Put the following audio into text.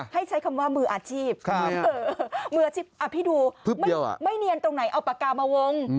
ใช้คำว่ามืออาชีพมืออาชีพพี่ดูไม่เนียนตรงไหนเอาปากกามาวง